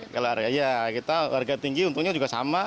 kalau harga tinggi untungnya juga sama